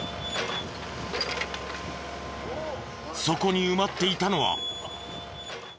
そこに埋まっていたのは。